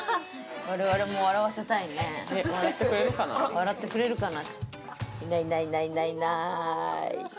笑ってくれるかな。